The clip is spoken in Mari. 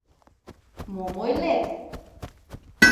Мом ойлет?